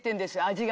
味が。